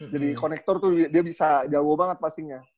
jadi konektor tuh dia bisa jauh banget pasinya